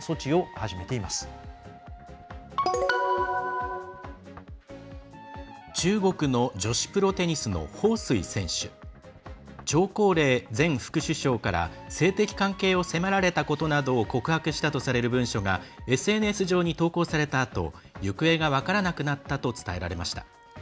張高麗前副首相から性的関係を迫られたことなどを告白したとされる文書がＳＮＳ上に投稿されたあと行方が分からなくなったと伝えられました。